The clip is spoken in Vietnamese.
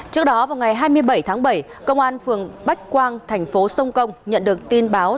trước đó vào ngày hai mươi bảy tháng bảy công an phường bách quang thành phố sông công nhận được tin báo